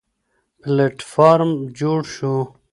پلېټفارم جوړ شو.